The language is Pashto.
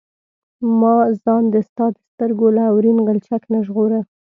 ما ځان د ستا د سترګو له اورین غلچک نه ژغوره.